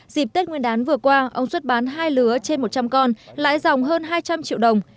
dịp tết nguyên đán vừa qua ông xuất bán hai lứa trên một trăm linh con lãi dòng hơn hai trăm linh triệu đồng